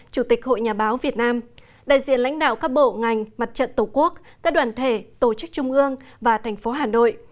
chủ tịch hội nhà báo việt nam đại diện lãnh đạo các bộ ngành mặt trận tổ quốc các đoàn thể tổ chức trung ương và thành phố hà nội